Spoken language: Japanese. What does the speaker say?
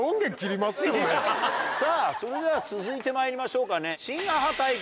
さぁそれでは続いてまいりましょうかね。